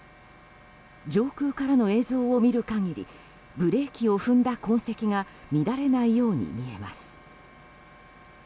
上空からの映像を見る限りブレーキを踏んだ痕跡が見られないように見えます。